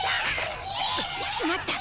しまった！